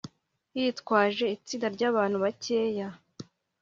yitwaje itsinda ry'abantu bakeya